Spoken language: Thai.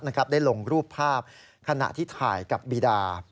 ได้ลงรูปภาพขณะที่ถ่ายกับบีดา